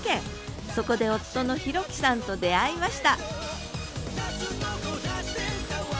そこで夫の弘樹さんと出会いました